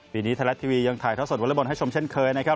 ปีนี้ไทยแล็ต์ทีวียังถ่ายทอดสดวลัยบอลให้ชมเช่นเคยนะครับ